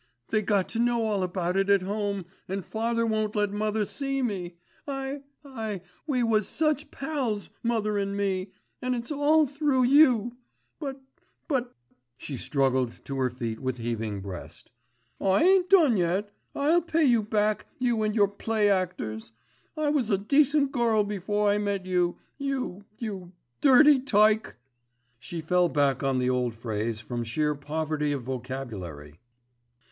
They got to know all about it at home and father won't let mother see me. I—I—we was such pals, mother an' me, an' it's all through you; but—but—" she struggled to her feet with heaving breast. "I ain't done yet. I'll pay you back, you and your play actors. I was a decent gurl before I met you. You—you—dirty tyke." She fell back on the old phrase from sheer poverty of vocabulary.